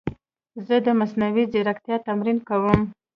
زه د مصنوعي ځیرکتیا تمرین کوم.